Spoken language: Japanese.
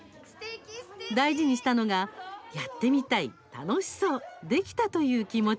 大事にしたのがやってみたい、楽しそう、できたという気持ち。